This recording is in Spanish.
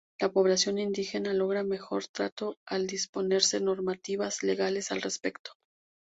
La población indígena logra mejor trato al disponerse normativas legales al respecto.